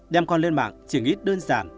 đem con lên mạng chỉ nghĩ đơn giản